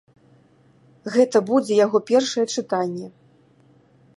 Гэта будзе яго першае чытанне.